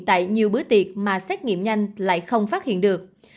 tại nhiều bữa tiệc mà xét nghiệm nhanh lại không phát hiện được